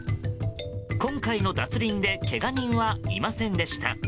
今回の脱輪でけが人はいませんでした。